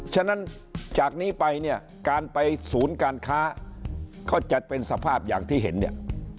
ฉะนั้นจากนี้ไปเนี่ยการไปศูนย์การค้าก็จะเป็นสภาพอย่างที่เห็นเนี่ย